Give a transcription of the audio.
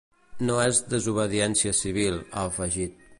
No es desobediència civil, ha afegit.